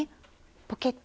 ポケット